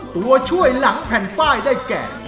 ตัวช่วยหลังแผ่นป้ายได้แก่